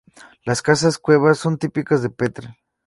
Las casas-cueva son típicas de Petrel.